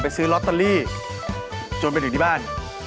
ซื้อลอตเตอรี่จนไปถึงที่บ้าน